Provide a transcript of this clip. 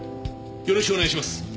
よろしくお願いします。